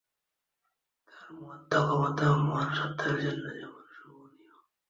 তার মাহাত্ম, ক্ষমতা ও মহান সত্তার জন্য যেমন শোভনীয়।